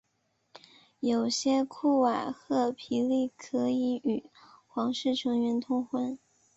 有些库瓦赫皮利可以与皇室成员通婚。